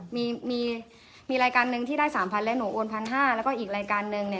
มีมีรายการหนึ่งที่ได้๓๐๐แล้วหนูโอน๑๕๐๐แล้วก็อีกรายการนึงเนี่ย